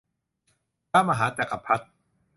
พระมหาจักรพรรดิ